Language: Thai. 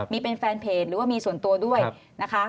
มีเป็นแฟนเพจหรือว่ามีส่วนตัวด้วยนะคะ